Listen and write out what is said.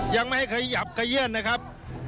ยังไม่ให้ขยับขยื่นนะครับ